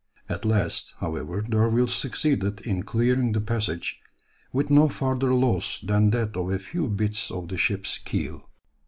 At last, however, D'Urville succeeded in clearing the passage with no further loss than that of a few bits of the ship's keel.